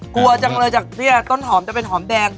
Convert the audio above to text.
กลัวจังเลยจากเนี่ยต้นหอมจะเป็นหอมแดง